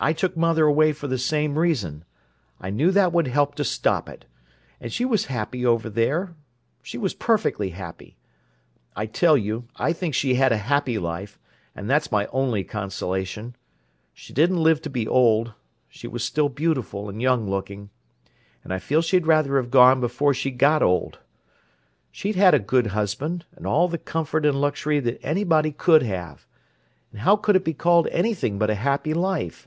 I took mother away for the same reason. I knew that would help to stop it. And she was happy over there—she was perfectly happy. I tell you, I think she had a happy life, and that's my only consolation. She didn't live to be old; she was still beautiful and young looking, and I feel she'd rather have gone before she got old. She'd had a good husband, and all the comfort and luxury that anybody could have—and how could it be called anything but a happy life?